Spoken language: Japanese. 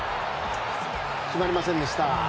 決まりませんでした。